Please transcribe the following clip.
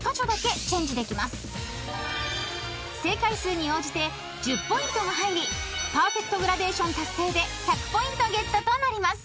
［正解数に応じて１０ポイントが入りパーフェクトグラデーション達成で１００ポイントゲットとなります］